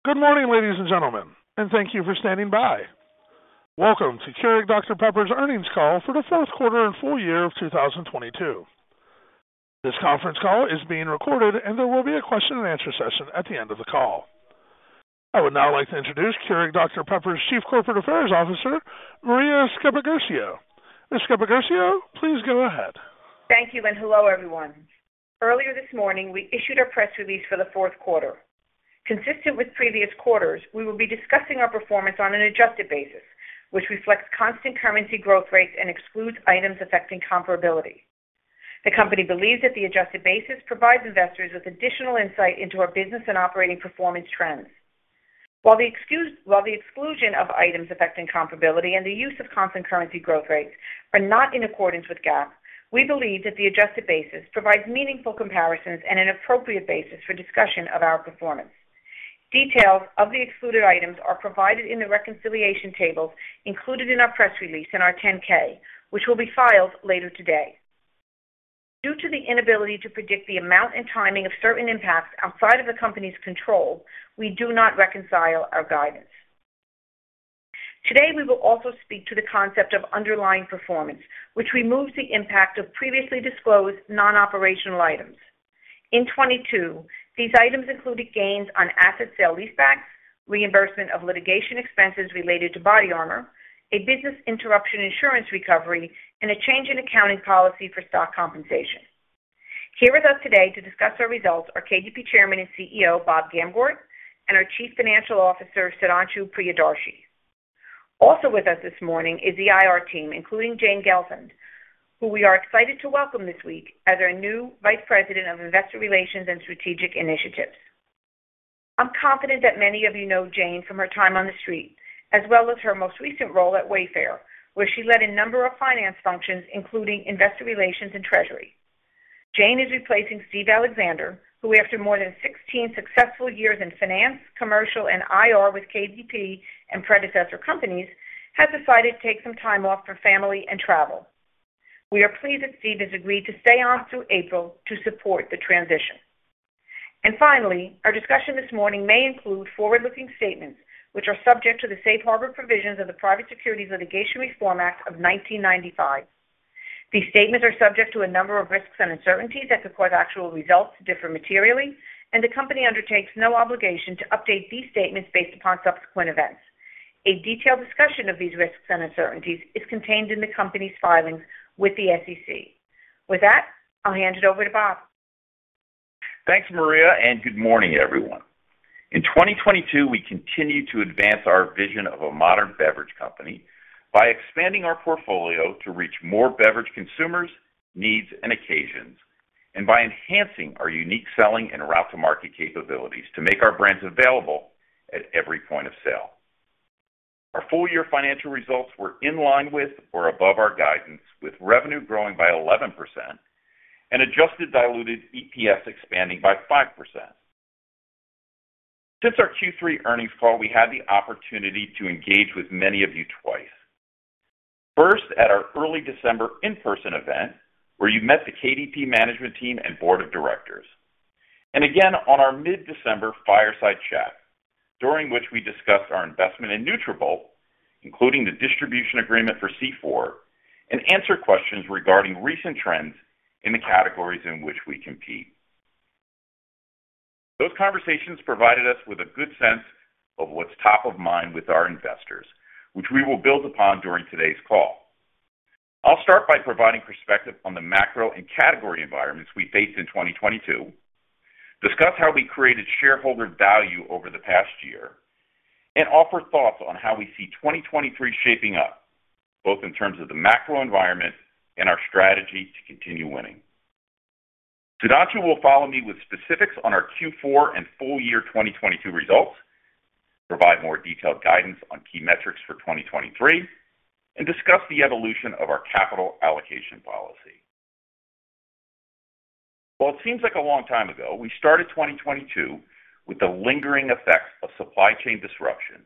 Good morning, ladies and gentlemen, thank you for standing by. Welcome to Keurig Dr Pepper's earnings call for the fourth quarter and full year of 2022. This conference call is being recorded, and there will be a question and answer session at the end of the call. I would now like to introduce Keurig Dr Pepper's Chief Corporate Affairs Officer, Maria Sceppaguercio. Ms. Sceppaguercio, please go ahead. Thank you. Hello, everyone. Earlier this morning, we issued our press release for the fourth quarter. Consistent with previous quarters, we will be discussing our performance on an adjusted basis, which reflects constant currency growth rates and excludes items affecting comparability. The company believes that the adjusted basis provides investors with additional insight into our business and operating performance trends. While the exclusion of items affecting comparability and the use of constant currency growth rates are not in accordance with GAAP, we believe that the adjusted basis provides meaningful comparisons and an appropriate basis for discussion of our performance. Details of the excluded items are provided in the reconciliation tables included in our press release and our 10-K, which will be filed later today. Due to the inability to predict the amount and timing of certain impacts outside of the company's control, we do not reconcile our guidance. Today, we will also speak to the concept of underlying performance, which removes the impact of previously disclosed non-operational items. In 2022, these items included gains on asset sale leasebacks, reimbursement of litigation expenses related to BodyArmor, a business interruption insurance recovery, and a change in accounting policy for stock compensation. Here with us today to discuss our results are KDP Chairman and CEO, Bob Gamgort, and our Chief Financial Officer, Sudhanshu Priyadarshi. Also with us this morning is the IR team, including Jane Gelfand, who we are excited to welcome this week as our new Vice President of Investor Relations and Strategic Initiatives. I'm confident that many of you know Jane from her time on the street, as well as her most recent role at Wayfair, where she led a number of finance functions, including investor relations and treasury. Jane is replacing Steve Alexander, who after more than 16 successful years in finance, commercial, and IR with KDP and predecessor companies, has decided to take some time off for family and travel. We are pleased that Steve has agreed to stay on through April to support the transition. Finally, our discussion this morning may include forward-looking statements, which are subject to the Safe Harbor Provisions of the Private Securities Litigation Reform Act of 1995. These statements are subject to a number of risks and uncertainties that could cause actual results to differ materially, and the company undertakes no obligation to update these statements based upon subsequent events. A detailed discussion of these risks and uncertainties is contained in the company's filings with the SEC. With that, I'll hand it over to Bob. Thanks, Maria, and good morning, everyone. In 2022, we continued to advance our vision of a modern beverage company by expanding our portfolio to reach more beverage consumers, needs, and occasions, and by enhancing our unique selling and route to market capabilities to make our brands available at every point of sale. Our full year financial results were in line with or above our guidance, with revenue growing by 11% and adjusted diluted EPS expanding by 5%. Since our Q3 earnings call, we had the opportunity to engage with many of you twice. First, at our early December in-person event, where you met the KDP management team and board of directors. Again, on our mid-December fireside chat, during which we discussed our investment in Nutrabolt, including the distribution agreement for C4, and answered questions regarding recent trends in the categories in which we compete. Those conversations provided us with a good sense of what's top of mind with our investors, which we will build upon during today's call. I'll start by providing perspective on the macro and category environments we faced in 2022, discuss how we created shareholder value over the past year, and offer thoughts on how we see 2023 shaping up, both in terms of the macro environment and our strategy to continue winning. Sudhanshu will follow me with specifics on our Q4 and full year 2022 results, provide more detailed guidance on key metrics for 2023, and discuss the evolution of our capital allocation policy. While it seems like a long time ago, we started 2022 with the lingering effects of supply chain disruption,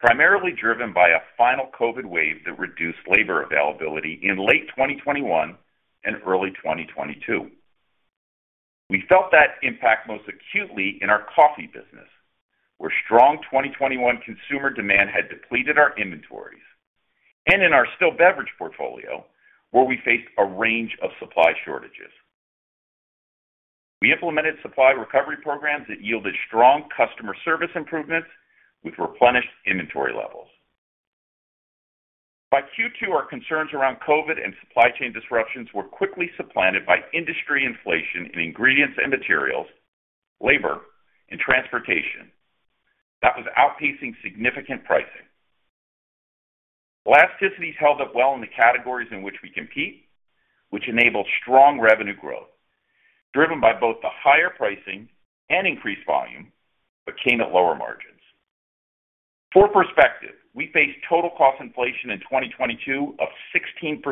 primarily driven by a final COVID wave that reduced labor availability in late 2021 and early 2022. We felt that impact most acutely in our coffee business, where strong 2021 consumer demand had depleted our inventories, and in our still beverage portfolio, where we faced a range of supply shortages. We implemented supply recovery programs that yielded strong customer service improvements with replenished inventory levels. By Q2, our concerns around COVID and supply chain disruptions were quickly supplanted by industry inflation in ingredients and materials, labor, and transportation. That was outpacing significant pricing. Elasticities held up well in the categories in which we compete, which enabled strong revenue growth, driven by both the higher pricing and increased volume, but came at lower margins. For perspective, we faced total cost inflation in 2022 of 16%,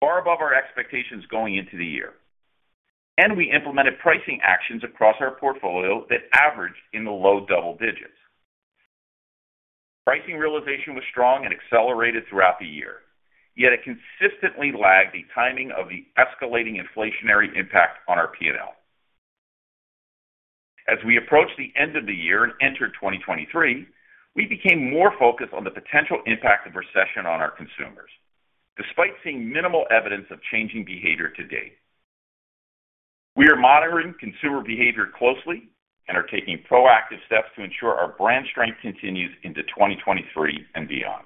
far above our expectations going into the year. We implemented pricing actions across our portfolio that averaged in the low double digits. Pricing realization was strong and accelerated throughout the year, yet it consistently lagged the timing of the escalating inflationary impact on our P&L. As we approach the end of the year and entered 2023, we became more focused on the potential impact of recession on our consumers, despite seeing minimal evidence of changing behavior to date. We are monitoring consumer behavior closely and are taking proactive steps to ensure our brand strength continues into 2023 and beyond.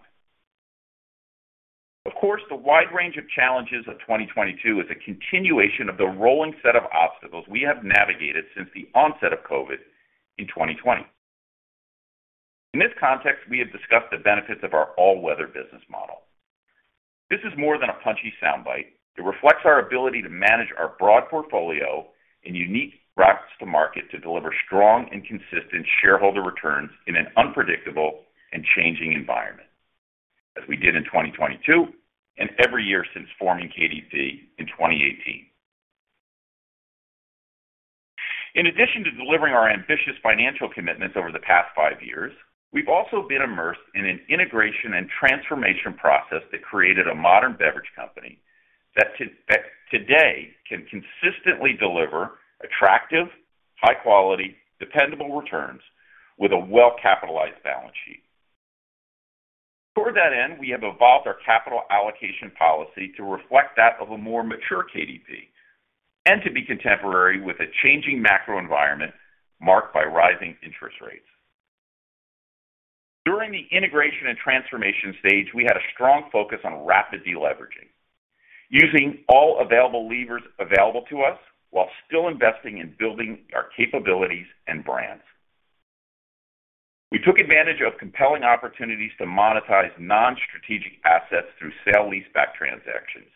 Of course, the wide range of challenges of 2022 is a continuation of the rolling set of obstacles we have navigated since the onset of COVID in 2020. In this context, we have discussed the benefits of our all-weather business model. This is more than a punchy soundbite. It reflects our ability to manage our broad portfolio and unique routes to market to deliver strong and consistent shareholder returns in an unpredictable and changing environment, as we did in 2022 and every year since forming KDP in 2018. In addition to delivering our ambitious financial commitments over the past five years, we've also been immersed in an integration and transformation process that created a modern beverage company that today can consistently deliver attractive, high-quality, dependable returns with a well-capitalized balance sheet. Toward that end, we have evolved our capital allocation policy to reflect that of a more mature KDP and to be contemporary with a changing macro environment marked by rising interest rates. During the integration and transformation stage, we had a strong focus on rapid deleveraging, using all available levers available to us while still investing in building our capabilities and brands. We took advantage of compelling opportunities to monetize non-strategic assets through sale leaseback transactions,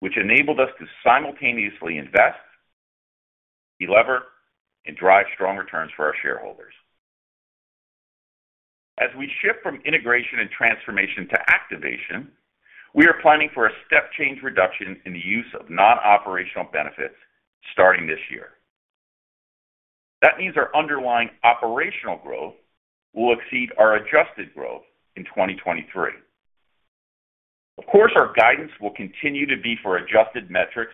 which enabled us to simultaneously invest, delever, and drive strong returns for our shareholders. As we shift from integration and transformation to activation, we are planning for a step change reduction in the use of non-operational benefits starting this year. That means our underlying operational growth will exceed our adjusted growth in 2023. Of course, our guidance will continue to be for adjusted metrics,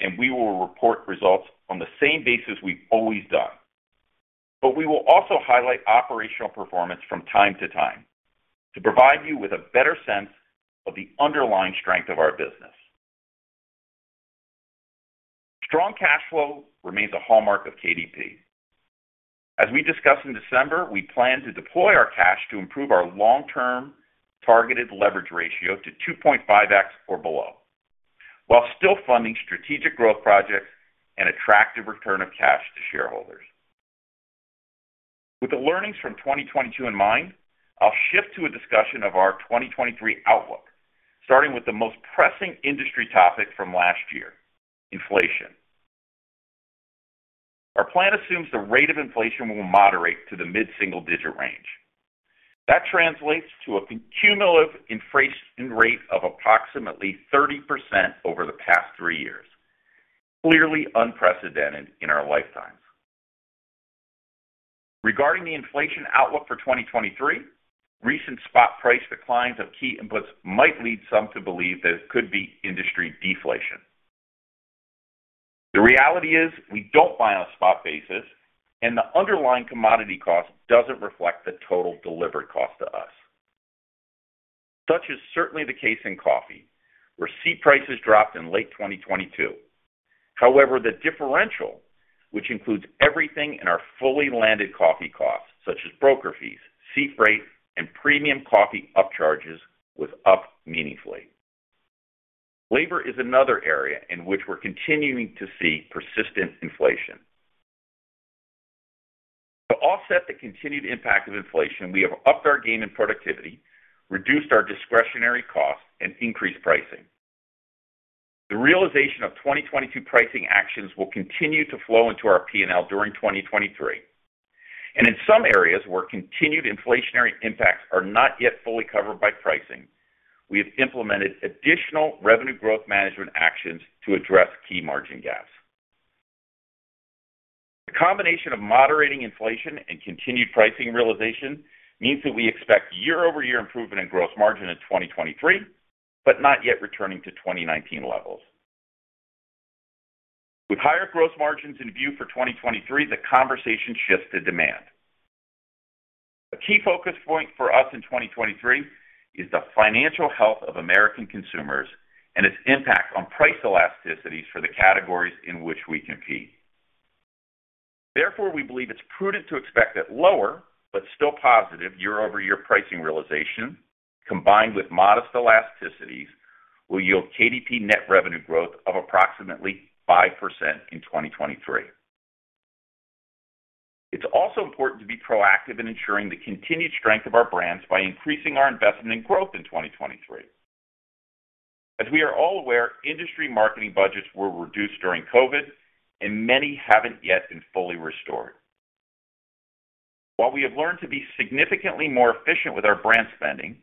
and we will report results on the same basis we've always done. We will also highlight operational performance from time to time to provide you with a better sense of the underlying strength of our business. Strong cash flow remains a hallmark of KDP. As we discussed in December, we plan to deploy our cash to improve our long-term targeted leverage ratio to 2.5x or below, while still funding strategic growth projects and attractive return of cash to shareholders. With the learnings from 2022 in mind, I'll shift to a discussion of our 2023 outlook, starting with the most pressing industry topic from last year, inflation. Our plan assumes the rate of inflation will moderate to the mid-single digit range. That translates to a cumulative inflation rate of approximately 30% over the past three years, clearly unprecedented in our lifetimes. Regarding the inflation outlook for 2023, recent spot price declines of key inputs might lead some to believe that it could be industry deflation. The reality is we don't buy on a spot basis, and the underlying commodity cost doesn't reflect the total delivered cost to us. Such is certainly the case in coffee, where C prices dropped in late 2022. However, the differential, which includes everything in our fully landed coffee costs, such as broker fees, sea freight, and premium coffee upcharges, was up meaningfully. Labor is another area in which we're continuing to see persistent inflation. To offset the continued impact of inflation, we have upped our game in productivity, reduced our discretionary costs, and increased pricing. The realization of 2022 pricing actions will continue to flow into our P&L during 2023. In some areas where continued inflationary impacts are not yet fully covered by pricing, we have implemented additional revenue growth management actions to address key margin gaps. The combination of moderating inflation and continued pricing realization means that we expect year-over-year improvement in gross margin in 2023, but not yet returning to 2019 levels. With higher gross margins in view for 2023, the conversation shifts to demand. A key focus point for us in 2023 is the financial health of American consumers and its impact on price elasticities for the categories in which we compete. Therefore, we believe it's prudent to expect that lower, but still positive year-over-year pricing realization, combined with modest elasticities, will yield KDP net revenue growth of approximately 5% in 2023. It's also important to be proactive in ensuring the continued strength of our brands by increasing our investment in growth in 2023. As we are all aware, industry marketing budgets were reduced during COVID, and many haven't yet been fully restored. While we have learned to be significantly more efficient with our brand spending,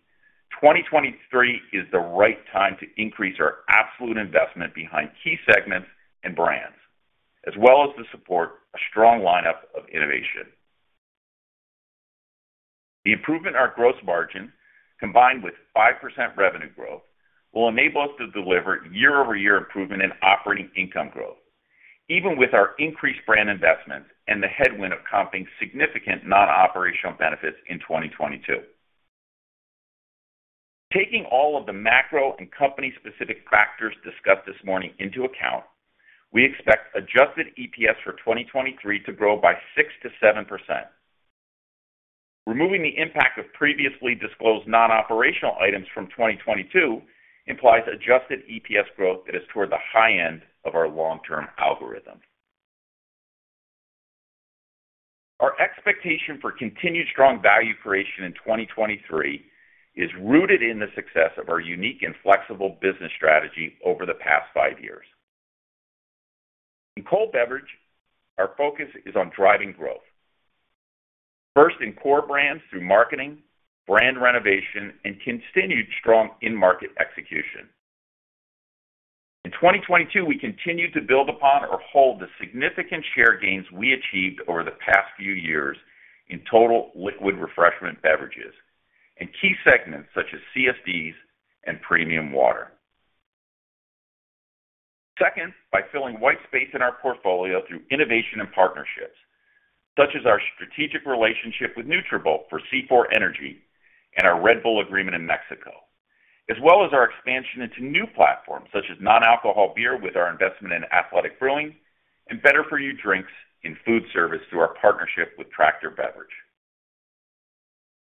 2023 is the right time to increase our absolute investment behind key segments and brands. As well as to support a strong lineup of innovation. The improvement in our gross margin, combined with 5% revenue growth, will enable us to deliver year-over-year improvement in operating income growth, even with our increased brand investments and the headwind of comping significant non-operational benefits in 2022. Taking all of the macro and company specific factors discussed this morning into account, we expect adjusted EPS for 2023 to grow by 6%-7%. Removing the impact of previously disclosed non-operational items from 2022 implies adjusted EPS growth that is toward the high end of our long-term algorithm. Our expectation for continued strong value creation in 2023 is rooted in the success of our unique and flexible business strategy over the past five years. In cold beverage, our focus is on driving growth. First, in core brands through marketing, brand renovation, and continued strong in-market execution. In 2022, we continued to build upon or hold the significant share gains we achieved over the past few years in total liquid refreshment beverages in key segments such as CSDs and premium water. Second, by filling white space in our portfolio through innovation and partnerships, such as our strategic relationship with Nutrabolt for C4 Energy and our Red Bull agreement in Mexico. As well as our expansion into new platforms such as non-alcohol beer with our investment in Athletic Brewing and Better For You drinks in food service through our partnership with Tractor Beverage.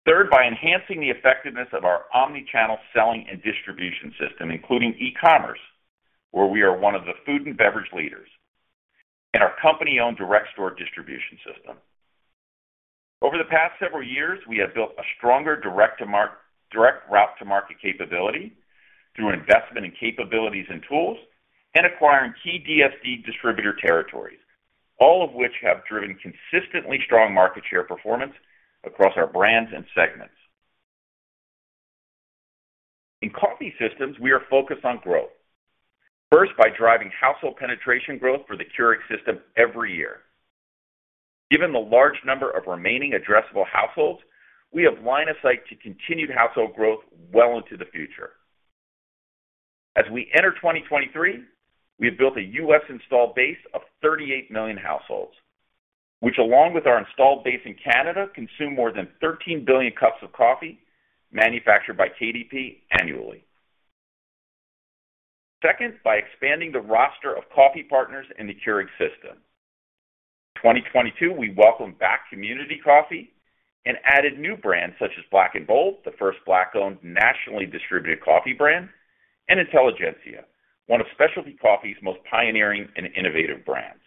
Third, by enhancing the effectiveness of our omni-channel selling and distribution system, including e-commerce, where we are one of the food and beverage leaders, and our company-owned direct store distribution system. Over the past several years, we have built a stronger direct route to market capability through investment in capabilities and tools and acquiring key DSD distributor territories. All of which have driven consistently strong market share performance across our brands and segments. In Coffee Systems, we are focused on growth. First, by driving household penetration growth for the Keurig system every year. Given the large number of remaining addressable households, we have line of sight to continued household growth well into the future. As we enter 2023, we have built a U.S. installed base of 38 million households, which along with our installed base in Canada, consume more than 13 billion cups of coffee manufactured by KDP annually. Second, by expanding the roster of coffee partners in the Keurig system. In 2022, we welcomed back Community Coffee and added new brands such as BLK & Bold, the first Black-owned nationally distributed coffee brand, and Intelligentsia, one of specialty coffee's most pioneering and innovative brands.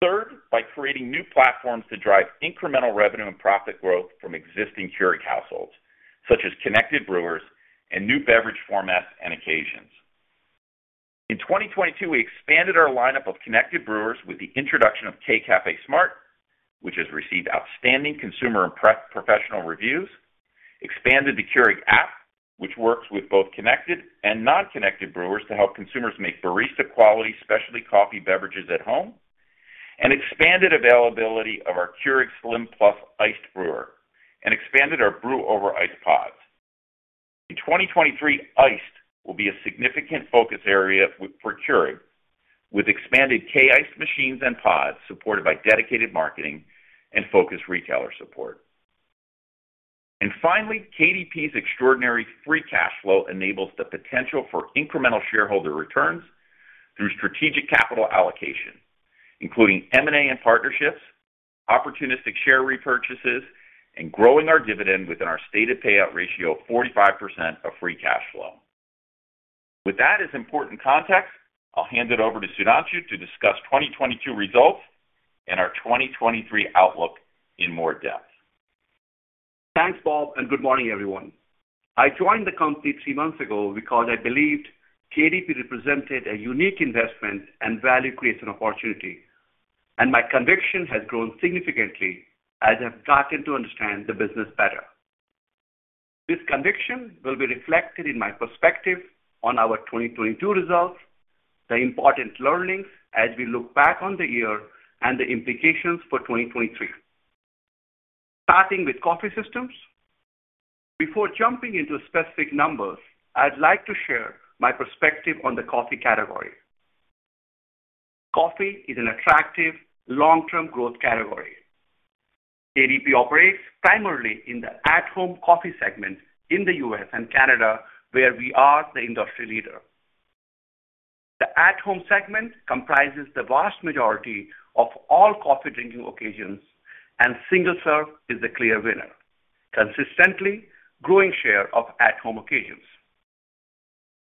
Third, by creating new platforms to drive incremental revenue and profit growth from existing Keurig households, such as connected brewers and new beverage formats and occasions. In 2022, we expanded our lineup of connected brewers with the introduction of K-Café SMART, which has received outstanding consumer and press professional reviews, expanded the Keurig app, which works with both connected and non-connected brewers to help consumers make barista quality specialty coffee beverages at home, and expanded availability of our Keurig K-Slim + ICED Brewer and expanded our brew over ice pods. In 2023, iced will be a significant focus area for Keurig with expanded K-Iced machines and pods supported by dedicated marketing and focus retailer support. Finally, KDP's extraordinary free cash flow enables the potential for incremental shareholder returns through strategic capital allocation, including M&A and partnerships, opportunistic share repurchases, and growing our dividend within our stated payout ratio of 45% of free cash flow. With that as important context, I'll hand it over to Sudhanshu to discuss 2022 results and our 2023 outlook in more depth. Thanks, Bob. Good morning, everyone. I joined the company three months ago because I believed KDP represented a unique investment and value creation opportunity, and my conviction has grown significantly as I've gotten to understand the business better. This conviction will be reflected in my perspective on our 2022 results, the important learnings as we look back on the year, and the implications for 2023. Starting with Coffee Systems. Before jumping into specific numbers, I'd like to share my perspective on the coffee category. Coffee is an attractive long-term growth category. KDP operates primarily in the at-home coffee segment in the U.S. and Canada, where we are the industry leader. The at-home segment comprises the vast majority of all coffee drinking occasions, and single-serve is the clear winner, consistently growing share of at-home occasions.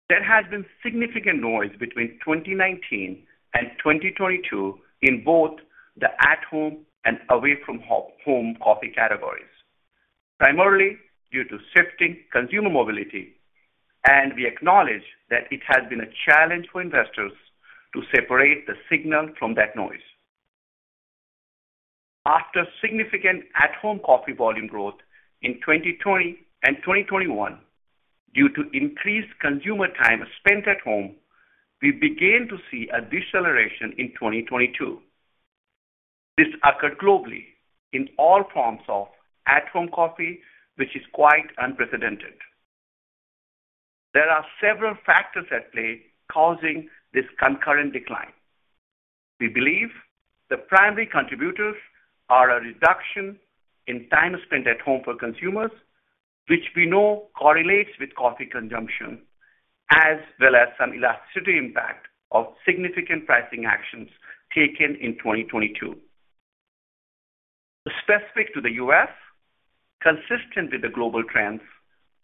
There has been significant noise between 2019 and 2022 in both the at-home and away from home coffee categories, primarily due to shifting consumer mobility. We acknowledge that it has been a challenge for investors to separate the signal from that noise. After significant at-home coffee volume growth in 2020 and 2021 due to increased consumer time spent at home, we began to see a deceleration in 2022. This occurred globally in all forms of at-home coffee, which is quite unprecedented. There are several factors at play causing this concurrent decline. We believe the primary contributors are a reduction in time spent at home for consumers, which we know correlates with coffee consumption, as well as some elasticity impact of significant pricing actions taken in 2022. Specific to the U.S., consistent with the global trends,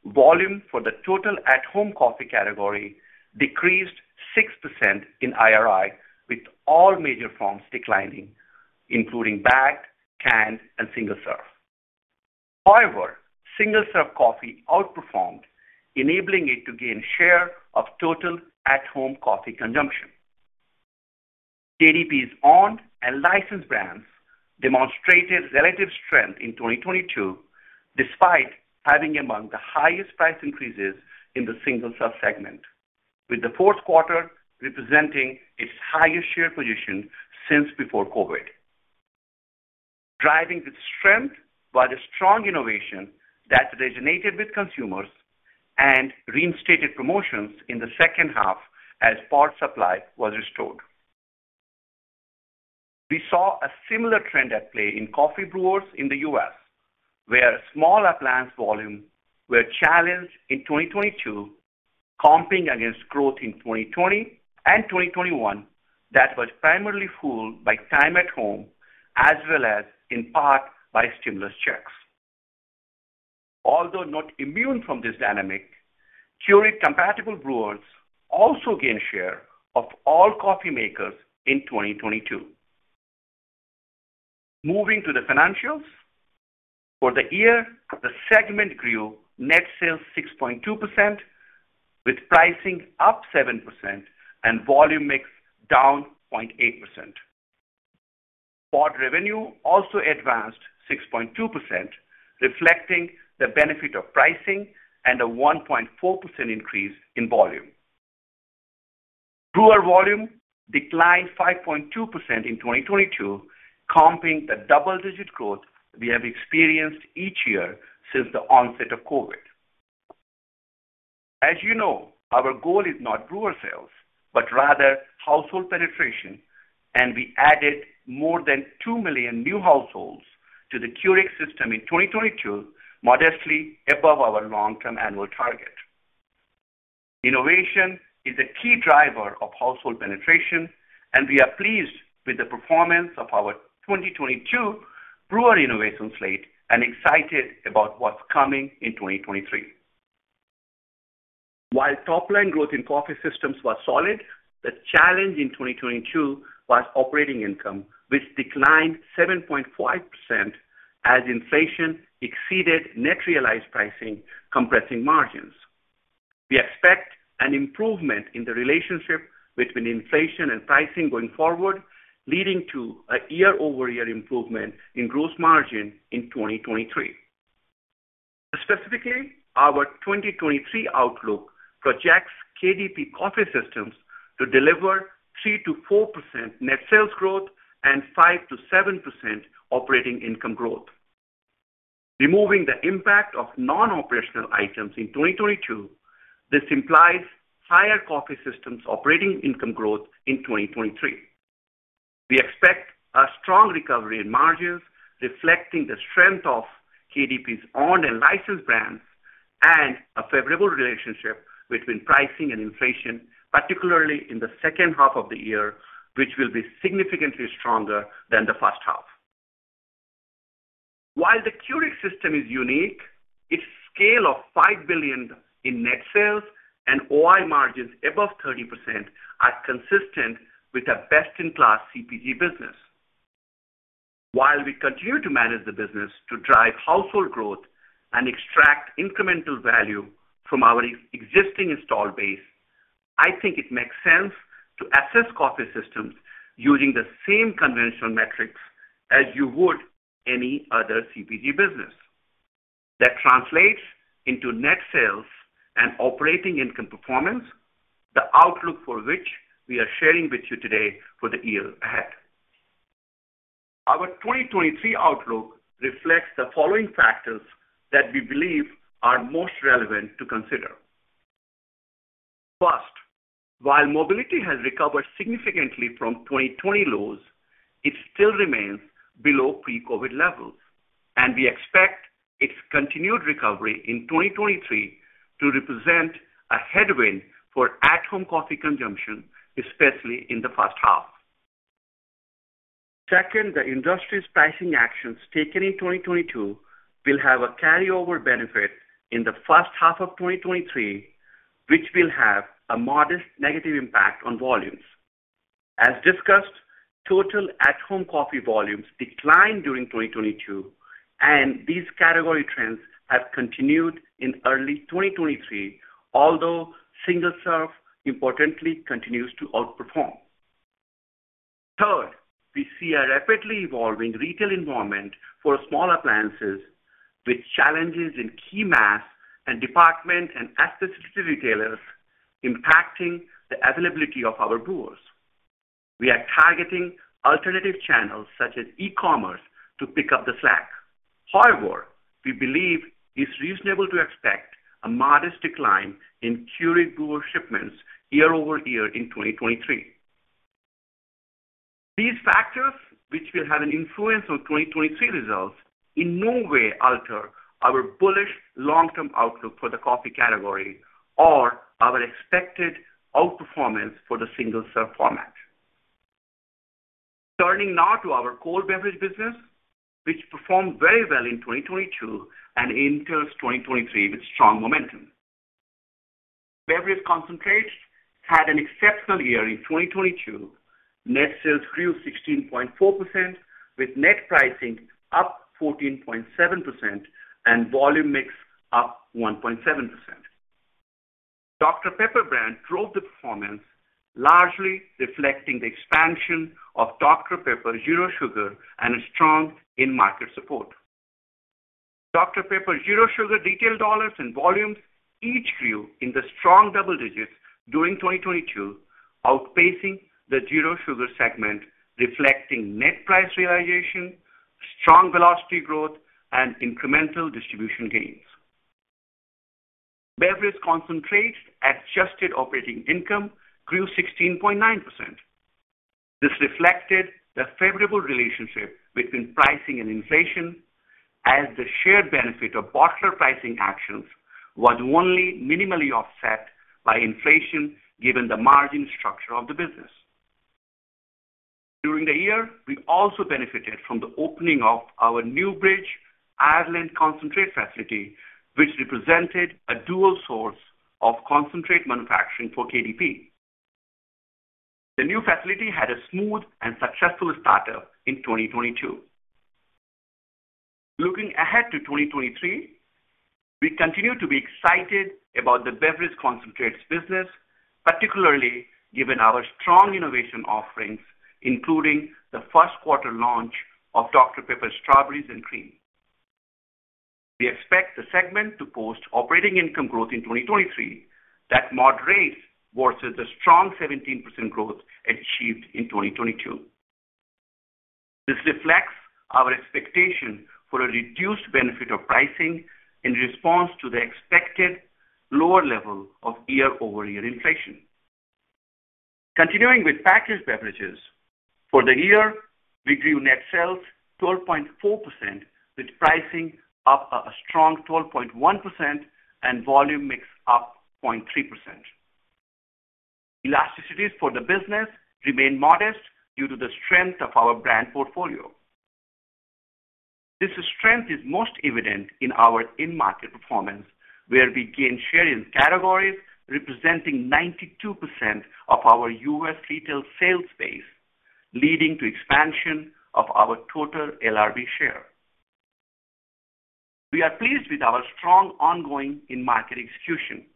volume for the total at-home coffee category decreased 6% in IRI, with all major forms declining, including bagged, canned, and single-serve. However, single-serve coffee outperformed, enabling it to gain share of total at-home coffee consumption. KDP's owned and licensed brands demonstrated relative strength in 2022 despite having among the highest price increases in the single-serve segment, with the 4th quarter representing its highest share position since before COVID. Driving the strength by the strong innovation that resonated with consumers and reinstated promotions in the 2nd half as port supply was restored. We saw a similar trend at play in coffee brewers in the U.S., where small appliance volume were challenged in 2022, comping against growth in 2020 and 2021 that was primarily fueled by time at home as well as in part by stimulus checks. Although not immune from this dynamic, Keurig compatible brewers also gained share of all coffee makers in 2022. Moving to the financials. For the year, the segment grew net sales 6.2%, with pricing up 7% and volume mix down 0.8%. Pod revenue also advanced 6.2%, reflecting the benefit of pricing and a 1.4% increase in volume. Brewer volume declined 5.2% in 2022, comping the double-digit growth we have experienced each year since the onset of COVID. As you know, our goal is not brewer sales, but rather household penetration, and we added more than 2 million new households to the Keurig system in 2022, modestly above our long-term annual target. Innovation is a key driver of household penetration. We are pleased with the performance of our 2022 brewer innovation slate and excited about what's coming in 2023. While top-line growth in Coffee Systems was solid, the challenge in 2022 was operating income, which declined 7.5% as inflation exceeded net realized pricing, compressing margins. We expect an improvement in the relationship between inflation and pricing going forward, leading to a year-over-year improvement in gross margin in 2023. Specifically, our 2023 outlook projects KDP Coffee Systems to deliver 3%-4% net sales growth and 5%-7% operating income growth. Removing the impact of non-operational items in 2022, this implies higher Coffee Systems operating income growth in 2023. We expect a strong recovery in margins, reflecting the strength of KDP's owned and licensed brands and a favorable relationship between pricing and inflation, particularly in the second half of the year, which will be significantly stronger than the first half. While the Keurig system is unique, its scale of $5 billion in net sales and OI margins above 30% are consistent with a best-in-class CPG business. While we continue to manage the business to drive household growth and extract incremental value from our existing installed base, I think it makes sense to assess Coffee Systems using the same conventional metrics as you would any other CPG business. That translates into net sales and operating income performance, the outlook for which we are sharing with you today for the year ahead. Our 2023 outlook reflects the following factors that we believe are most relevant to consider. First, while mobility has recovered significantly from 2020 lows, it still remains below pre-COVID levels, and we expect its continued recovery in 2023 to represent a headwind for at-home coffee consumption, especially in the first half. Second, the industry's pricing actions taken in 2022 will have a carryover benefit in the first half of 2023, which will have a modest negative impact on volumes. As discussed, total at-home coffee volumes declined during 2022. These category trends have continued in early 2023, although single-serve importantly continues to outperform. Third, we see a rapidly evolving retail environment for smaller appliances, with challenges in key mass and department and specialty retailers impacting the availability of our brewers. We are targeting alternative channels such as e-commerce to pick up the slack. However, we believe it's reasonable to expect a modest decline in Keurig brewer shipments year-over-year in 2023. These factors, which will have an influence on 2023 results, in no way alter our bullish long-term outlook for the coffee category or our expected outperformance for the single-serve format. Turning now to our cold beverage business, which performed very well in 2022 and enters 2023 with strong momentum. Beverage Concentrates had an exceptional year in 2022. Net sales grew 16.4%, with net pricing up 14.7% and volume mix up 1.7%. Dr Pepper brand drove the performance, largely reflecting the expansion of Dr Pepper Zero Sugar and a strong in-market support. Pepper Zero Sugar retail dollars and volumes each grew in the strong double digits during 2022, outpacing the zero sugar segment, reflecting net price realization, strong velocity growth, and incremental distribution gains. Beverage Concentrates adjusted operating income grew 16.9%. This reflected the favorable relationship between pricing and inflation as the shared benefit of bottler pricing actions was only minimally offset by inflation given the margin structure of the business. During the year, we also benefited from the opening of our Newbridge, Ireland concentrate facility, which represented a dual source of concentrate manufacturing for KDP. The new facility had a smooth and successful start-up in 2022. Looking ahead to 2023, we continue to be excited about the Beverage Concentrates business, particularly given our strong innovation offerings, including the first quarter launch of Dr Pepper Strawberries & Cream. We expect the segment to post operating income growth in 2023 that moderates versus the strong 17% growth achieved in 2022. This reflects our expectation for a reduced benefit of pricing in response to the expected lower level of year-over-year inflation. Continuing with Packaged Beverages, for the year, we grew net sales 12.4% with pricing up a strong 12.1% and volume mix up 0.3%. Elasticities for the business remain modest due to the strength of our brand portfolio. This strength is most evident in our in-market performance, where we gain share in categories representing 92% of our U.S. retail sales base, leading to expansion of our total LRV share. We are pleased with our strong ongoing in-market execution,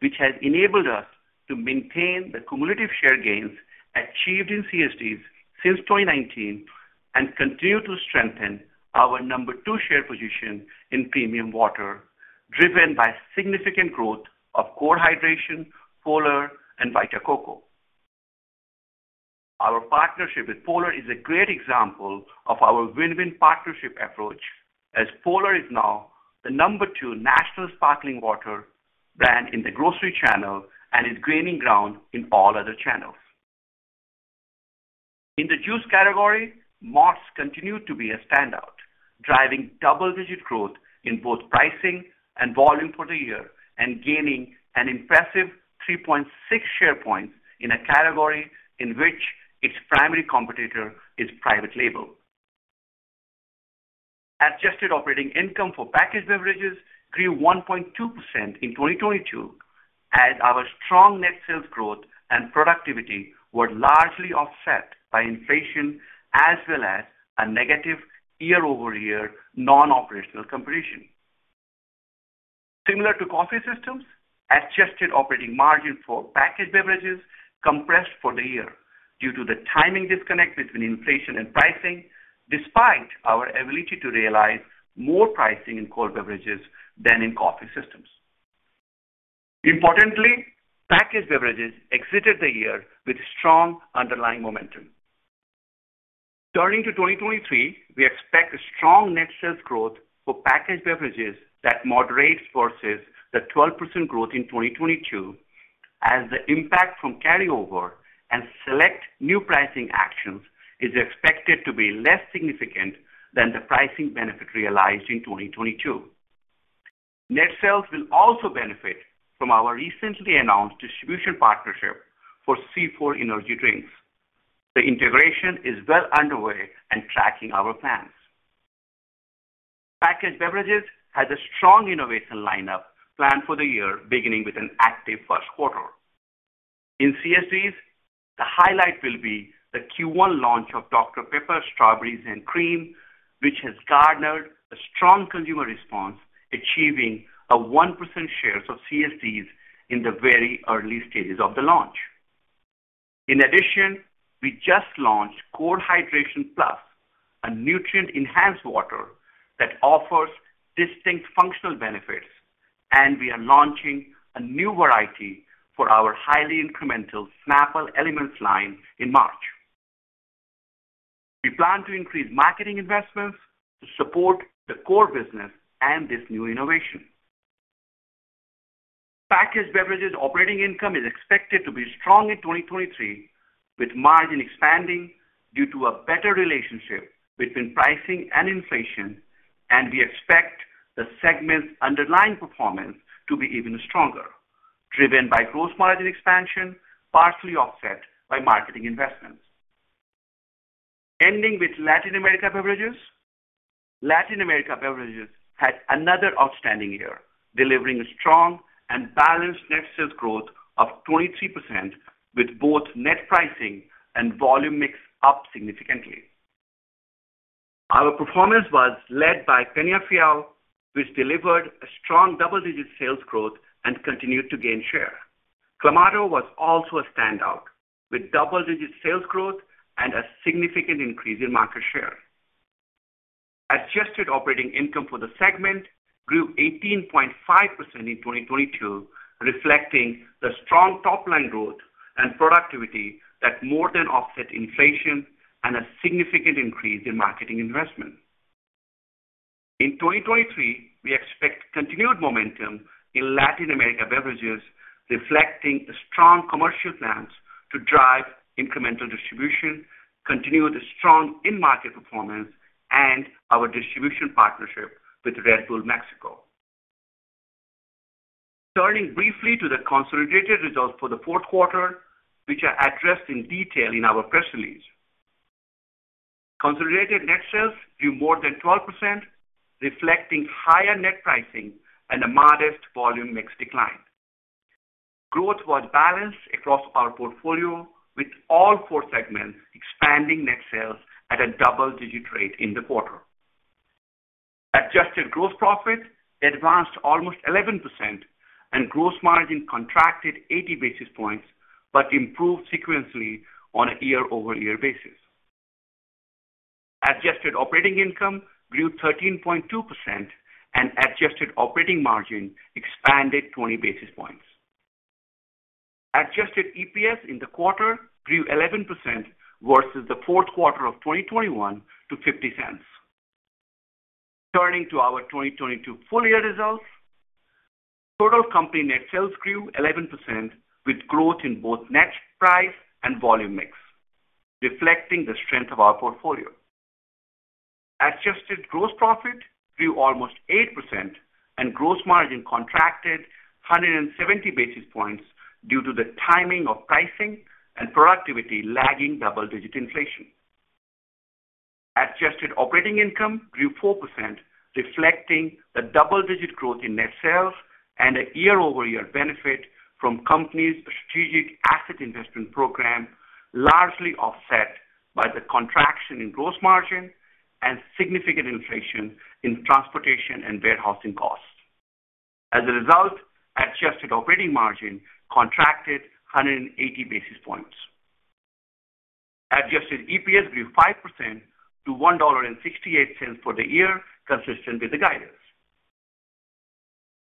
which has enabled us to maintain the cumulative share gains achieved in CSDs since 2019 and continue to strengthen our number 2 share position in premium water, driven by significant growth of CORE Hydration, Polar, and Vita Coco. Our partnership with Polar is a great example of our win-win partnership approach, as Polar is now the number 2 national sparkling water brand in the grocery channel and is gaining ground in all other channels. In the juice category, Mott's continued to be a standout, driving double-digit growth in both pricing and volume for the year and gaining an impressive 3.6 share points in a category in which its primary competitor is private label. Adjusted operating income for Packaged Beverages grew 1.2% in 2022, as our strong net sales growth and productivity were largely offset by inflation as well as a negative year-over-year non-operational competition. Similar to Coffee Systems, adjusted operating margin for Packaged Beverages compressed for the year due to the timing disconnect between inflation and pricing, despite our ability to realize more pricing in cold beverages than in Coffee Systems. Importantly, Packaged Beverages exited the year with strong underlying momentum. Turning to 2023, we expect a strong net sales growth for Packaged Beverages that moderates versus the 12% growth in 2022, as the impact from carryover and select new pricing actions is expected to be less significant than the pricing benefit realized in 2022. Net sales will also benefit from our recently announced distribution partnership for C4 Energy Drinks. The integration is well underway and tracking our plans. Packaged Beverages has a strong innovation lineup planned for the year, beginning with an active first quarter. In CSDs, the highlight will be the Q1 launch of Dr Pepper Strawberries & Cream, which has garnered a strong consumer response, achieving a 1% shares of CSDs in the very early stages of the launch. We just launched CORE Hydration+, a nutrient-enhanced water that offers distinct functional benefits, and we are launching a new variety for our highly incremental Snapple Elements line in March. We plan to increase marketing investments to support the core business and this new innovation. Packaged Beverages operating income is expected to be strong in 2023, with margin expanding due to a better relationship between pricing and inflation. We expect the segment's underlying performance to be even stronger, driven by gross margin expansion, partially offset by marketing investments. Ending with Latin America Beverages. Latin America Beverages had another outstanding year, delivering a strong and balanced net sales growth of 23%, with both net pricing and volume mix up significantly. Our performance was led by Peñafiel, which delivered a strong double-digit sales growth and continued to gain share. Clamato was also a standout, with double-digit sales growth and a significant increase in market share. Adjusted operating income for the segment grew 18.5% in 2022, reflecting the strong top-line growth and productivity that more than offset inflation and a significant increase in marketing investment. In 2023, we expect continued momentum in Latin America Beverages, reflecting the strong commercial plans to drive incremental distribution, continued strong in-market performance, and our distribution partnership with Red Bull Mexico. Turning briefly to the consolidated results for the fourth quarter, which are addressed in detail in our press release. Consolidated net sales grew more than 12%, reflecting higher net pricing and a modest volume mix decline. Growth was balanced across our portfolio, with all four segments expanding net sales at a double-digit rate in the quarter. Adjusted gross profit advanced almost 11% and gross margin contracted 80 basis points, but improved sequentially on a year-over-year basis. Adjusted operating income grew 13.2% and adjusted operating margin expanded 20 basis points. Adjusted EPS in the quarter grew 11% versus the fourth quarter of 2021 to $0.50. Turning to our 2022 full-year results. Total company net sales grew 11% with growth in both net price and volume mix, reflecting the strength of our portfolio. Adjusted gross profit grew almost 8% and gross margin contracted 170 basis points due to the timing of pricing and productivity lagging double-digit inflation. Adjusted operating income grew 4%, reflecting the double-digit growth in net sales and a year-over-year benefit from company's strategic asset investment program, largely offset by the contraction in gross margin and significant inflation in transportation and warehousing costs. As a result, adjusted operating margin contracted 180 basis points. Adjusted EPS grew 5% to $1.68 for the year, consistent with the guidance.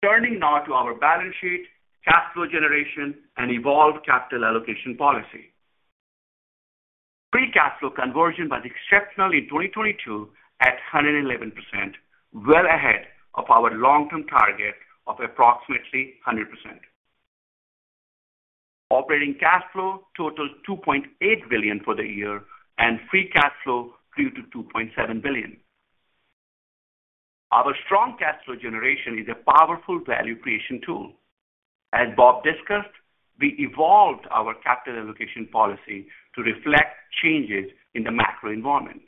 Turning now to our balance sheet, cash flow generation, and evolved capital allocation policy. Free cash flow conversion was exceptional in 2022 at 111%, well ahead of our long-term target of approximately 100%. Operating cash flow totaled $2.8 billion for the year, and free cash flow grew to $2.7 billion. Our strong cash flow generation is a powerful value creation tool. As Bob discussed, we evolved our capital allocation policy to reflect changes in the macro environment.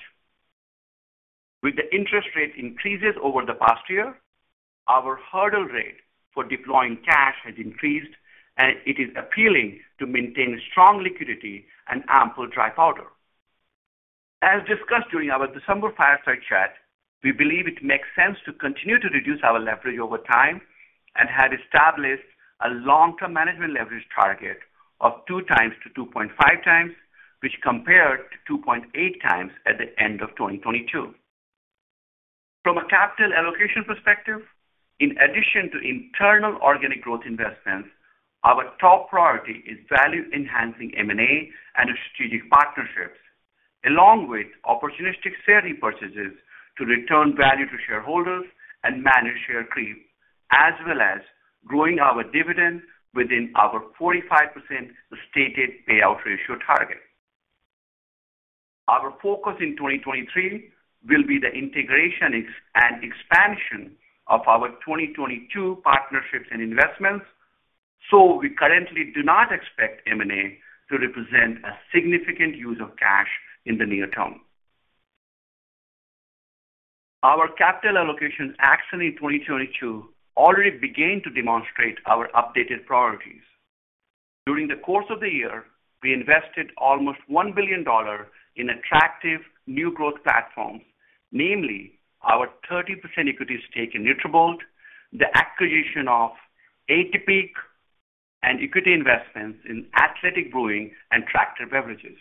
With the interest rate increases over the past year, our hurdle rate for deploying cash has increased, and it is appealing to maintain strong liquidity and ample dry powder. As discussed during our December fireside chat, we believe it makes sense to continue to reduce our leverage over time and had established a long-term management leverage target of 2x to 2.5x, which compared to 2.8x at the end of 2022. From a capital allocation perspective, in addition to internal organic growth investments, our top priority is value-enhancing M&A and strategic partnerships, along with opportunistic share repurchases to return value to shareholders and manage share creep, as well as growing our dividend within our 45% stated payout ratio target. Our focus in 2023 will be the integration and expansion of our 2022 partnerships and investments. We currently do not expect M&A to represent a significant use of cash in the near term. Our capital allocation action in 2022 already began to demonstrate our updated priorities. During the course of the year, we invested almost $1 billion in attractive new growth platforms, namely our 30% equity stake in Nutrabolt, the acquisition of Atypique, and equity investments in Athletic Brewing and Tractor Beverages.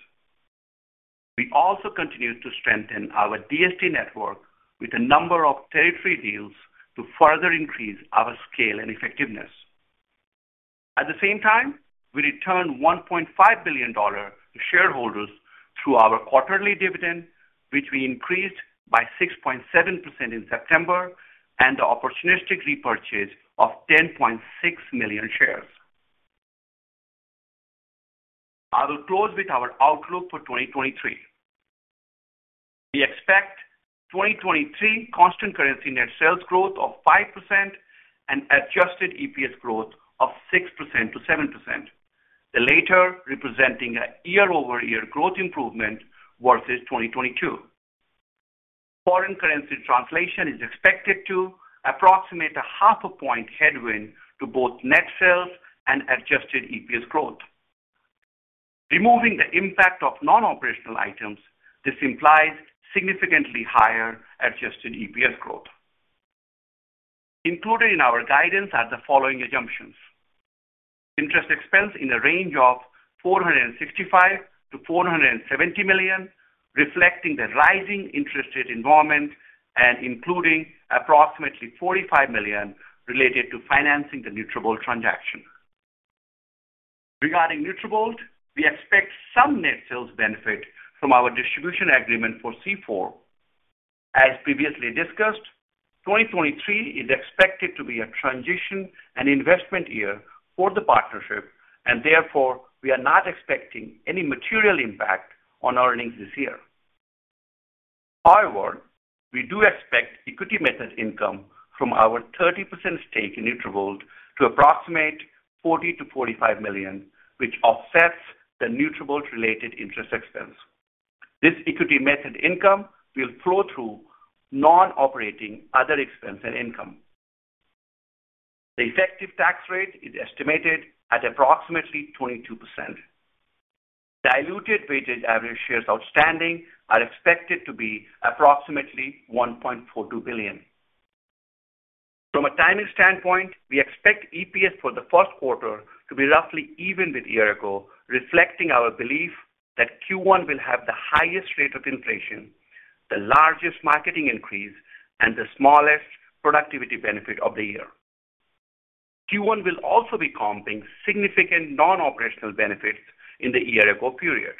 We also continued to strengthen our DSD network with a number of territory deals to further increase our scale and effectiveness. At the same time, we returned $1.5 billion to shareholders through our quarterly dividend, which we increased by 6.7% in September and the opportunistic repurchase of 10.6 million shares. I will close with our outlook for 2023. We expect 2023 constant currency net sales growth of 5% and adjusted EPS growth of 6%-7%, the later representing a year-over-year growth improvement versus 2022. Foreign currency translation is expected to approximate a half a point headwind to both net sales and adjusted EPS growth. Removing the impact of non-operational items, this implies significantly higher adjusted EPS growth. Included in our guidance are the following assumptions. Interest expense in the range of $465 million-$470 million, reflecting the rising interest rate environment and including approximately $45 million related to financing the Nutrabolt transaction. Regarding Nutrabolt, we expect some net sales benefit from our distribution agreement for C4. As previously discussed, 2023 is expected to be a transition and investment year for the partnership, therefore, we are not expecting any material impact on our earnings this year. However, we do expect equity method income from our 30% stake in Nutrabolt to approximate $40 million-$45 million, which offsets the Nutrabolt related interest expense. This equity method income will flow through non-operating other expense and income. The effective tax rate is estimated at approximately 22%. Diluted weighted average shares outstanding are expected to be approximately 1.42 billion. From a timing standpoint, we expect EPS for the first quarter to be roughly even with year ago, reflecting our belief that Q1 will have the highest rate of inflation, the largest marketing increase, and the smallest productivity benefit of the year. Q1 will also be comping significant non-operational benefits in the year ago period.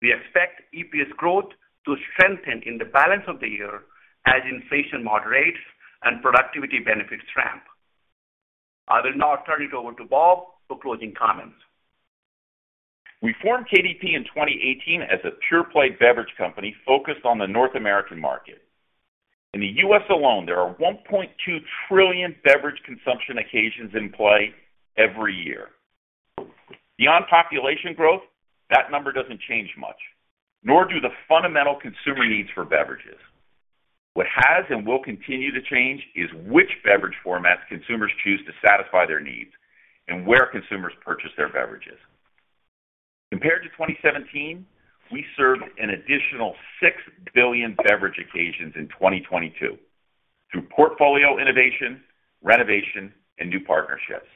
We expect EPS growth to strengthen in the balance of the year as inflation moderates and productivity benefits ramp. I will now turn it over to Bob for closing comments. We formed KDP in 2018 as a pure-play beverage company focused on the North American market. In the U.S. alone, there are 1.2 trillion beverage consumption occasions in play every year. Beyond population growth, that number doesn't change much, nor do the fundamental consumer needs for beverages. What has and will continue to change is which beverage formats consumers choose to satisfy their needs and where consumers purchase their beverages. Compared to 2017, we served an additional 6 billion beverage occasions in 2022 through portfolio innovation, renovation, and new partnerships.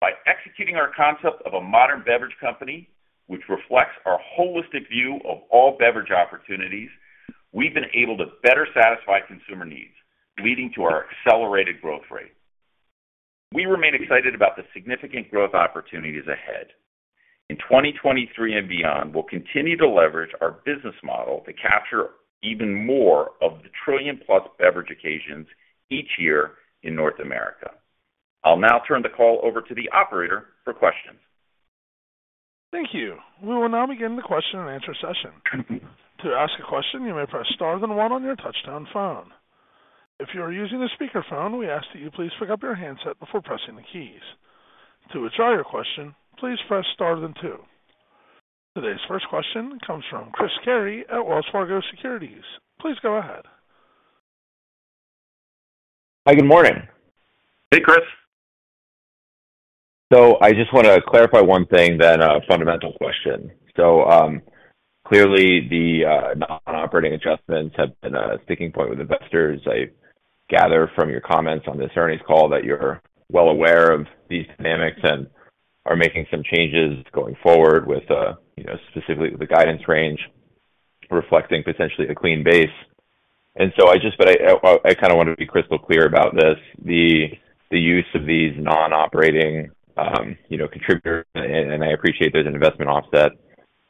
By executing our concept of a modern beverage company, which reflects our holistic view of all beverage opportunities, we've been able to better satisfy consumer needs, leading to our accelerated growth rate. We remain excited about the significant growth opportunities ahead. In 2023 and beyond, we'll continue to leverage our business model to capture even more of the trillion+ beverage occasions each year in North America. I'll now turn the call over to the operator for questions. Thank you. We will now begin the question and answer session. To ask a question, you may press star then one on your touch-tone phone. If you are using a speakerphone, we ask that you please pick up your handset before pressing the keys. To withdraw your question, please press star then two. Today's first question comes from Chris Carey at Wells Fargo Securities. Please go ahead. Hi, good morning. Hey, Chris. I just want to clarify one thing then a fundamental question. Clearly the non-operating adjustments have been a sticking point with investors. I gather from your comments on this earnings call that you're well aware of these dynamics and are making some changes going forward with, you know, specifically the guidance range reflecting potentially a clean base. I kind of want to be crystal clear about this. The use of these non-operating, you know, contributors, and I appreciate there's an investment offset,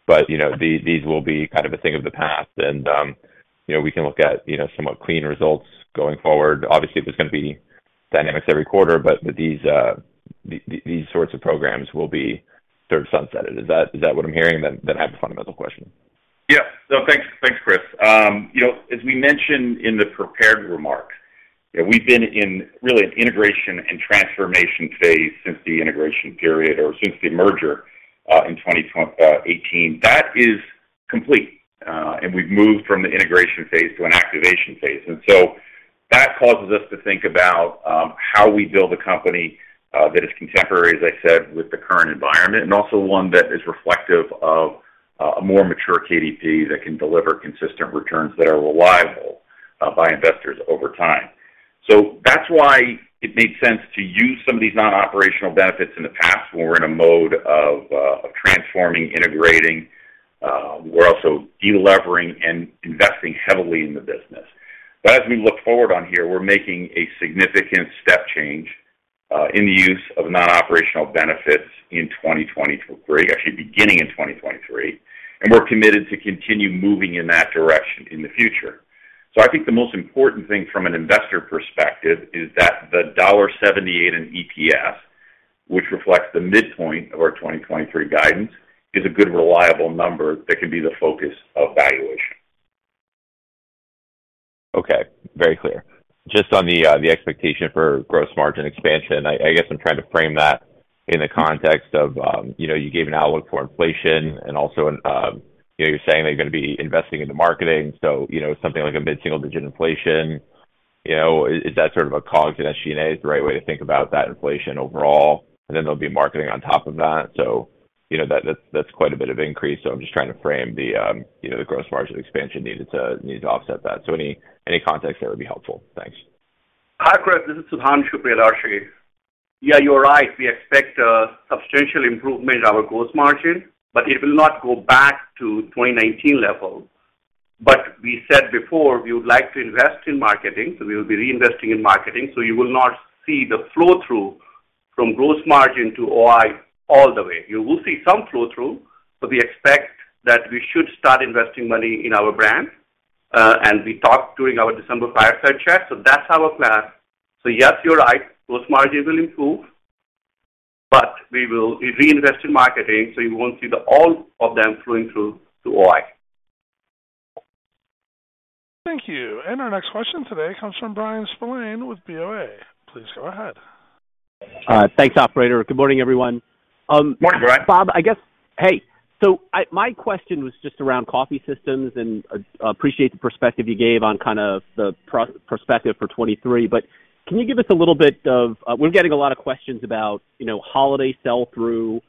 but, you know, these will be kind of a thing of the past and, you know, we can look at, you know, somewhat clean results going forward. Obviously, there's going to be dynamics every quarter, but these sorts of programs will be sort of unsettled. Is that what I'm hearing? I have a fundamental question. Yeah. No, thanks, Chris. you know, as we mentioned in the prepared remarks. Yeah, we've been in really an integration and transformation phase since the integration period or since the merger in 2018. That is complete, and we've moved from the integration phase to an activation phase. That causes us to think about how we build a company that is contemporary, as I said, with the current environment, and also one that is reflective of a more mature KDP that can deliver consistent returns that are reliable by investors over time. That's why it made sense to use some of these non-operational benefits in the past when we're in a mode of transforming, integrating, we're also de-levering and investing heavily in the business. As we look forward on here, we're making a significant step change in the use of non-operational benefits in 2023, actually beginning in 2023, and we're committed to continue moving in that direction in the future. I think the most important thing from an investor perspective is that the $1.78 in EPS, which reflects the midpoint of our 2023 guidance, is a good, reliable number that can be the focus of valuation. Okay, very clear. Just on the expectation for gross margin expansion, I guess I'm trying to frame that in the context of, you know, you gave an outlook for inflation and also, you know, you're saying that you're gonna be investing into marketing. something like a mid-single-digit inflation is that sort of a cog to SG&A is the right way to think about that inflation overall? there'll be marketing on top of that. that's quite a bit of increase. I'm just trying to frame the, you know, the gross margin expansion needed to offset that. any context there would be helpful. Thanks. Hi, Chris. This is Sudhanshu. Yeah, you're right. We expect a substantial improvement in our gross margin, but it will not go back to 2019 level. We said before, we would like to invest in marketing, we will be reinvesting in marketing. You will not see the flow-through from gross margin to OI all the way. You will see some flow-through, we expect that we should start investing money in our brand, and we talked during our December fireside chat. That's our plan. Yes, you're right, gross margin will improve, we will reinvest in marketing, you won't see the all of them flowing through to OI. Thank you. Our next question today comes from Bryan Spillane with BOA. Please go ahead. Thanks, operator. Good morning, everyone. Good morning, Bryan. Bob, my question was just around Coffee Systems and appreciate the perspective you gave on kind of the pro-perspective for 23. Can you give us a little bit of we're getting a lot of questions about, you know, holiday sell-through,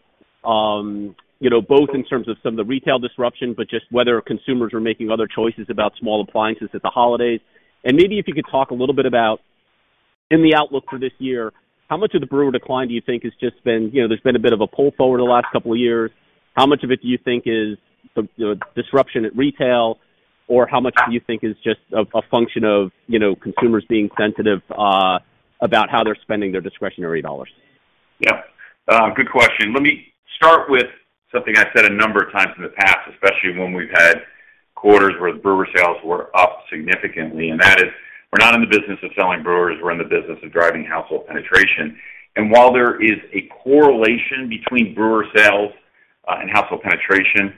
you know, both in terms of some of the retail disruption, but just whether consumers are making other choices about small appliances at the holidays. Maybe if you could talk a little bit about in the outlook for this year, how much of the brewer decline do you think has just been, you know, there's been a bit of a pull forward the last couple of years. How much of it do you think is the, you know, disruption at retail or how much do you think is just a function of, you know, consumers being sensitive about how they're spending their discretionary dollars? Yeah. good question. Let me start with something I said a number of times in the past, especially when we've had quarters where the brewer sales were up significantly, and that is we're not in the business of selling brewers, we're in the business of driving household penetration. While there is a correlation between brewer sales and household penetration,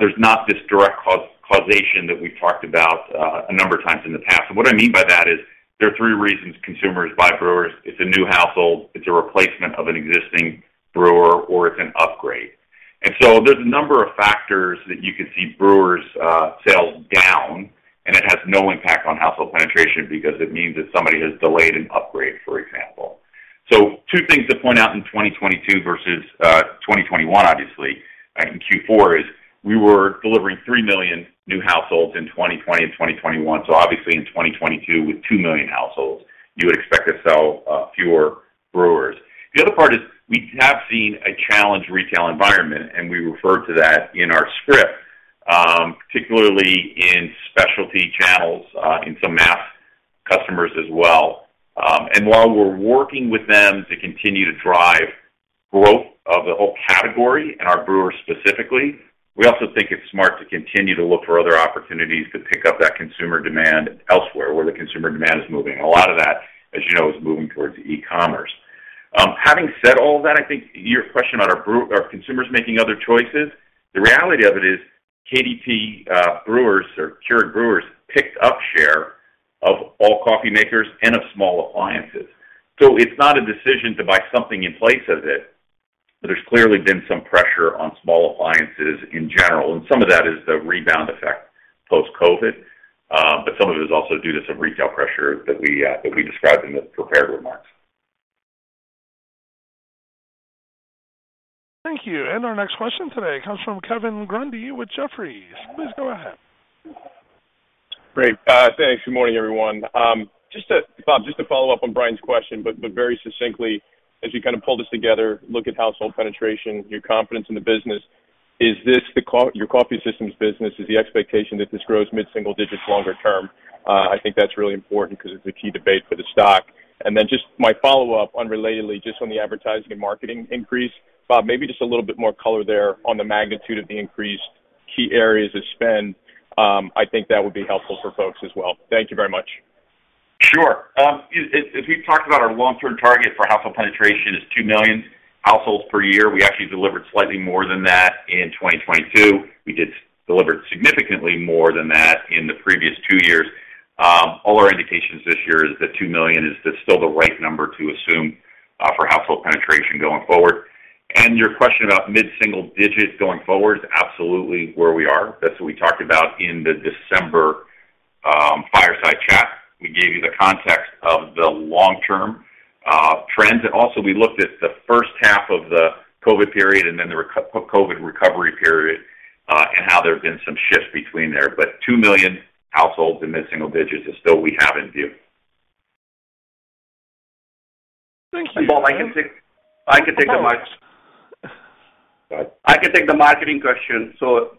there's not this direct cause-causation that we've talked about a number of times in the past. What I mean by that is there are three reasons consumers buy brewers. It's a new household, it's a replacement of an existing brewer, or it's an upgrade. So there's a number of factors that you could see brewers sales down, and it has no impact on household penetration because it means that somebody has delayed an upgrade, for example. Two things to point out in 2022 versus 2021, obviously, in Q4 is we were delivering 3 million new households in 2020 and 2021. Obviously in 2022, with 2 million households, you would expect to sell fewer brewers. The other part is we have seen a challenged retail environment, and we referred to that in our script, particularly in specialty channels, and some mass customers as well. While we're working with them to continue to drive growth of the whole category and our brewers specifically, we also think it's smart to continue to look for other opportunities to pick up that consumer demand elsewhere where the consumer demand is moving. A lot of that, as you know, is moving towards e-commerce. Having said all that, I think your question on are consumers making other choices? The reality of it is KDP brewers or Keurig brewers picked up share of all coffee makers and of small appliances. It's not a decision to buy something in place of it, but there's clearly been some pressure on small appliances in general, and some of that is the rebound effect post-COVID. Some of it is also due to some retail pressure that we described in the prepared remarks. Thank you. Our next question today comes from Kevin Grundy with Jefferies. Please go ahead. Great. Thanks. Good morning, everyone. Bob, just to follow up on Bryan's question, but very succinctly, as you kind of pull this together, look at household penetration, your confidence in the business, is your Coffee Systems business, is the expectation that this grows mid-single digits longer term? I think that's really important because it's a key debate for the stock. Just my follow-up, unrelatedly, just on the advertising and marketing increase. Bob, maybe just a little bit more color there on the magnitude of the increased key areas of spend. I think that would be helpful for folks as well. Thank you very much. Sure. As we've talked about our long-term target for household penetration is 2 million households per year, we actually delivered slightly more than that in 2022. We delivered significantly more than that in the previous 2 years. All our indications this year is that 2 million is still the right number to assume for household penetration going forward. Your question about mid-single digit going forward, absolutely where we are. That's what we talked about in the December fireside chat. We gave you the context of the long-term trends. Also we looked at the first half of the COVID period and then the re-COVID recovery period, and how there have been some shifts between there. 2 million households in mid-single digits is still we have in view. Thank you. Bob, I can take. Go ahead. I can take the marketing question.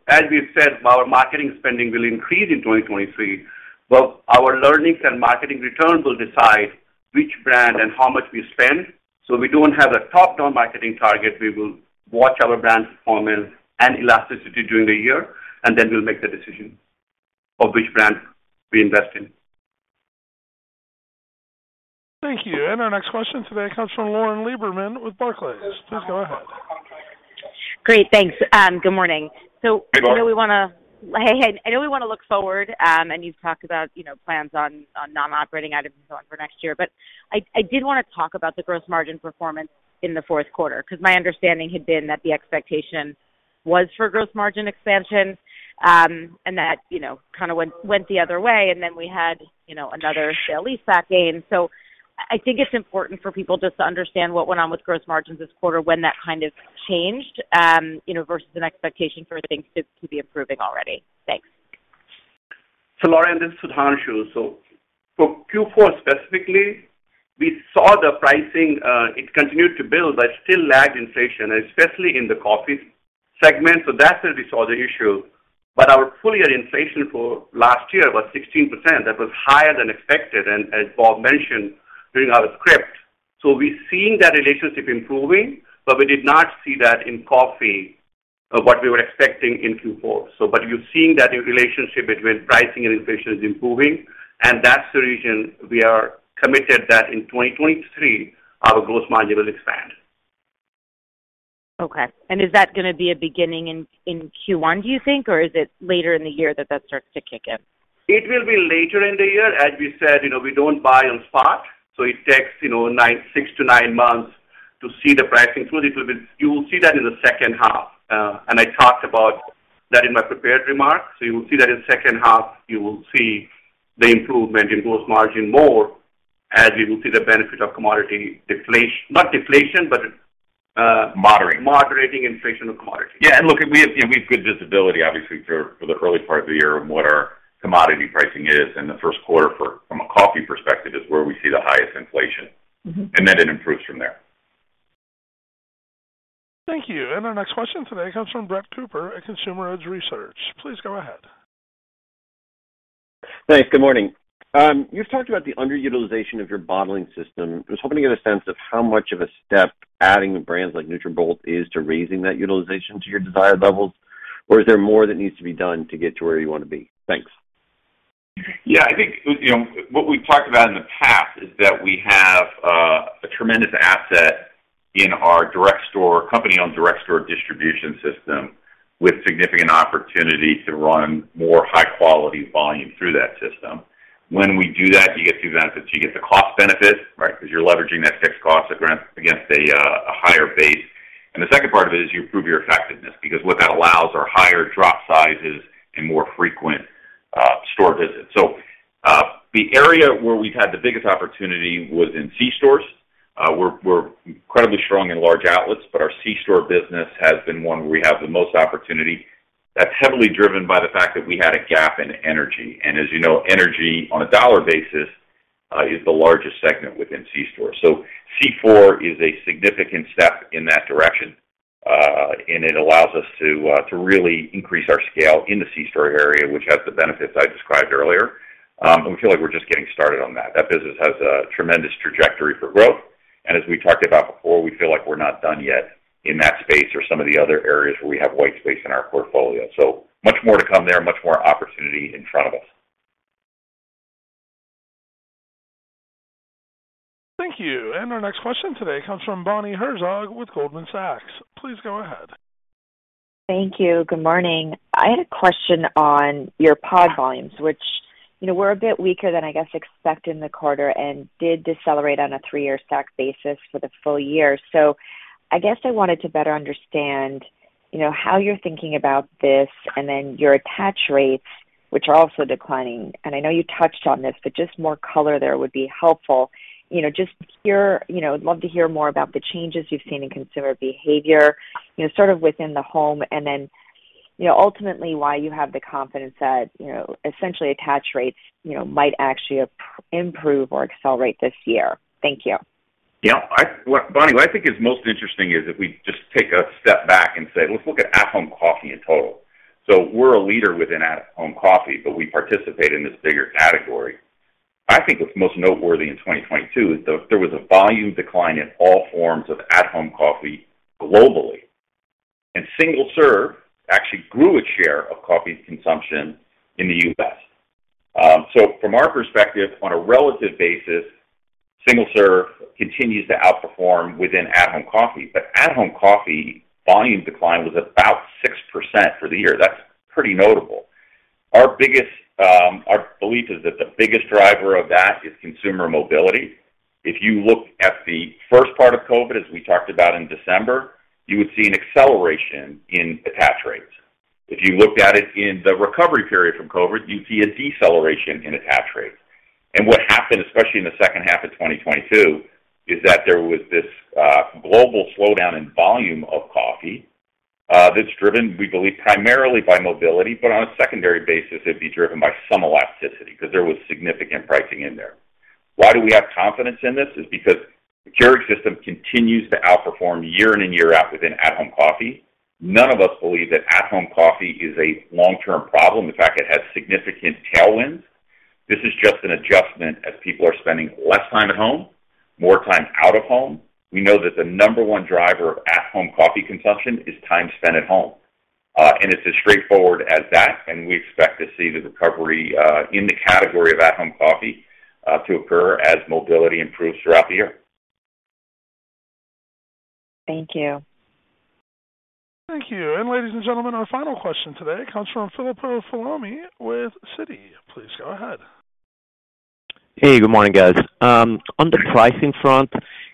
As we said, our marketing spending will increase in 2023. Our learnings and marketing returns will decide which brand and how much we spend. We don't have a top-down marketing target. We will watch our brand performance and elasticity during the year, we'll make the decision of which brand we invest in. Thank you. Our next question today comes from Lauren Lieberman with Barclays. Please go ahead. Great. Thanks. Good morning. Hey, Lauren. I know we wanna. Hey. I know we wanna look forward, and you've talked about, you know, plans on non-operating items and so on for next year. I did wanna talk about the gross margin performance in the fourth quarter, 'cause my understanding had been that the expectation was for gross margin expansion, and that, you know, kind of went the other way. Then we had, you know, another sale leaseback gain. I think it's important for people just to understand what went on with gross margins this quarter when that kind of changed, you know, versus an expectation for things to be improving already. Thanks. Lauren, this is Sudhanshu. For Q4 specifically, we saw the pricing, it continued to build, but it still lagged inflation, especially in the coffee segment. That's where we saw the issue. Our full year inflation for last year was 16%. That was higher than expected and, as Bob mentioned during our script. We've seen that relationship improving, but we did not see that in coffee of what we were expecting in Q4. You're seeing that relationship between pricing and inflation is improving, and that's the reason we are committed that in 2023, our gross margin will expand. Okay. Is that gonna be a beginning in Q1, do you think, or is it later in the year that that starts to kick in? It will be later in the year. As we said, you know, we don't buy on spot, so it takes, you know, 6 to 9 months to see the pricing through. You will see that in the second half. I talked about that in my prepared remarks. You will see that in second half. You will see the improvement in gross margin more as we will see the benefit of commodity deflation, not deflation, but... Moderating... moderating inflation of commodity. Yeah, look, we have, you know, we have good visibility obviously for the early part of the year on what our commodity pricing is in the first quarter from a coffee perspective is where we see the highest inflation. Mm-hmm. It improves from there. Thank you. Our next question today comes from Brett Cooper at Consumer Edge Research. Please go ahead. Thanks. Good morning. You've talked about the underutilization of your bottling system. I was hoping to get a sense of how much of a step adding brands like Nutrabolt is to raising that utilization to your desired levels. Is there more that needs to be done to get to where you wanna be? Thanks. I think, you know, what we've talked about in the past is that we have a tremendous asset in our company-owned direct store distribution system with significant opportunity to run more high quality volume through that system. When we do that, you get 2 benefits. You get the cost benefit, right? Cause you're leveraging that fixed cost against a higher base. The second part of it is you improve your effectiveness because what that allows are higher drop sizes and more frequent store visits. The area where we've had the biggest opportunity was in C stores. We're incredibly strong in large outlets, but our C store business has been one where we have the most opportunity. That's heavily driven by the fact that we had a gap in energy. As you know, energy on a dollar basis, is the largest segment within C stores. C4 is a significant step in that direction, and it allows us to really increase our scale in the C store area, which has the benefits I described earlier. We feel like we're just getting started on that. That business has a tremendous trajectory for growth. As we talked about before, we feel like we're not done yet in that space or some of the other areas where we have white space in our portfolio. Much more to come there, much more opportunity in front of us. Thank you. Our next question today comes from Bonnie Herzog with Goldman Sachs. Please go ahead. Thank you. Good morning. I had a question on your pod volumes, which, you know, were a bit weaker than I guess expected in the quarter and did decelerate on a 3-year stack basis for the full year. I guess I wanted to better understand, you know, how you're thinking about this and then your attach rates, which are also declining. I know you touched on this, but just more color there would be helpful. You know, I'd love to hear more about the changes you've seen in consumer behavior, you know, sort of within the home. You know, ultimately why you have the confidence that, you know, essentially attach rates, you know, might actually improve or accelerate this year. Thank you. Yeah. Bonnie, what I think is most interesting is if we just take a step back and say, let's look at at-home coffee in total. We're a leader within at-home coffee, but we participate in this bigger category. I think what's most noteworthy in 2022 is the there was a volume decline in all forms of at-home coffee globally. Single serve actually grew its share of coffee consumption in the U.S. From our perspective, on a relative basis, single serve continues to outperform within at-home coffee. At-home coffee volume decline was about 6% for the year. That's pretty notable. Our biggest. Our belief is that the biggest driver of that is consumer mobility. If you look at the first part of COVID, as we talked about in December, you would see an acceleration in attach rates. If you looked at it in the recovery period from COVID, you'd see a deceleration in attach rates. What happened, especially in the second half of 2022, is that there was this global slowdown in volume of coffee that's driven, we believe, primarily by mobility, but on a secondary basis, it'd be driven by some elasticity because there was significant pricing in there. Why do we have confidence in this? Is because the Keurig system continues to outperform year in and year out within at-home coffee. None of us believe that at-home coffee is a long-term problem. In fact, it has significant tailwinds. This is just an adjustment as people are spending less time at home, more time out of home. We know that the number 1 driver of at-home coffee consumption is time spent at home. It's as straightforward as that, and we expect to see the recovery in the category of at-home coffee to occur as mobility improves throughout the year. Thank you. Thank you. Ladies and gentlemen, our final question today comes from Filippo Falorni with Citi. Please go ahead. Hey, good morning, guys. On the pricing front,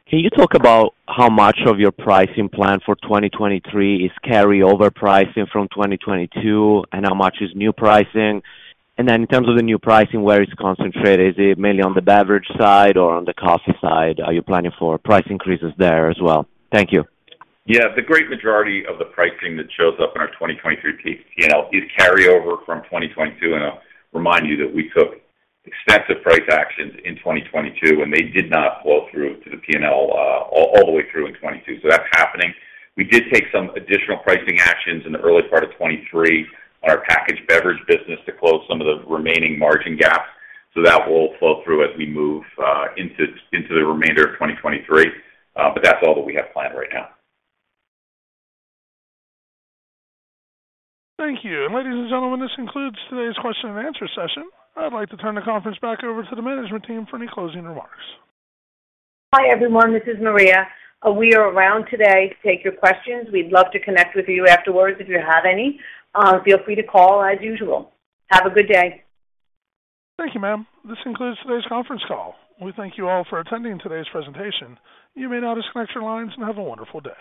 can you talk about how much of your pricing plan for 2023 is carryover pricing from 2022 and how much is new pricing? In terms of the new pricing, where it's concentrated, is it mainly on the beverage side or on the coffee side? Are you planning for price increases there as well? Thank you. Yeah. The great majority of the pricing that shows up in our 2023 P&L is carryover from 2022. I'll remind you that we took extensive price actions in 2022, and they did not flow through to the P&L, all the way through in 2022. That's happening. We did take some additional pricing actions in the early part of 2023 on our Packaged Beverages business to close some of the remaining margin gaps. That will flow through as we move into the remainder of 2023. That's all that we have planned right now. Thank you. Ladies and gentlemen, this concludes today's question and answer session. I'd like to turn the conference back over to the management team for any closing remarks. Hi, everyone. This is Maria. We are around today to take your questions. We'd love to connect with you afterwards if you have any. Feel free to call as usual. Have a good day. Thank you, ma'am. This concludes today's conference call. We thank you all for attending today's presentation. You may now disconnect your lines and have a wonderful day.